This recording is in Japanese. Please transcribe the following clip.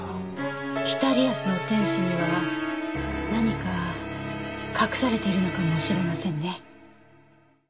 『北リアスの天使』には何か隠されているのかもしれませんね。